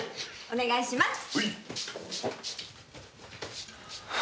お願いします！